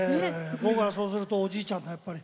僕はそうするとおじいちゃんだやっぱり。